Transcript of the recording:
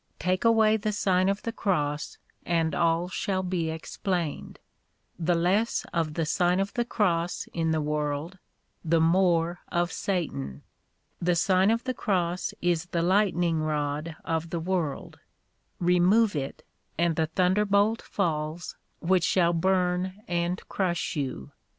Take away the Sign of the Cross, and all shall be explained. The less of the Sign of the Cross in the world, the more of Satan. The Sign of the Cross is the lightning rod of the world; remove it, and the thunderbolt falls which shall burn and crush you.